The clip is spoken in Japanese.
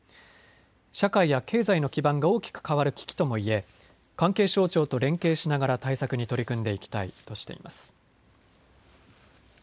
社会や経済の基盤が大きく変わる危機ともいえ関係省庁と連携しながら対策に取り組んでいきたいとしています。